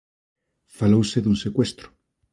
Falouse dun secuestro.